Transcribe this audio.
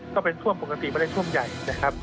ก็เป็นท่วมปกติไม่ได้ท่วมใหญ่นะครับ